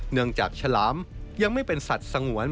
เนื่องจากฉลามยังไม่เป็นสัตว์สงวน